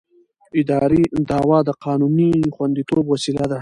اداري دعوه د قانوني خوندیتوب وسیله ده.